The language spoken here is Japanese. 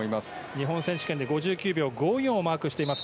日本選手権で５９秒５４をマークしています